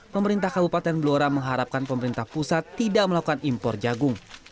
pemerintah kabupaten blora mengharapkan pemerintah pusat tidak melakukan impor jagung